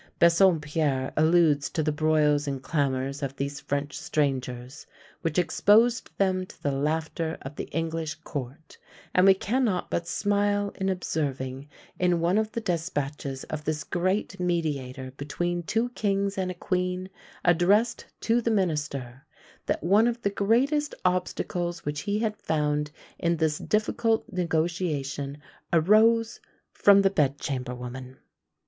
Bassompierre alludes to the broils and clamours of these French strangers, which exposed them to the laughter of the English court; and we cannot but smile in observing, in one of the despatches of this great mediator between two kings and a queen, addressed to the minister, that one of the greatest obstacles which he had found in this difficult negotiation arose from the bedchamber women!